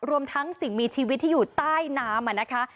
รวมทั้งสิ่งมีชีวิตที่อยู่ใต้น้ำนะคะ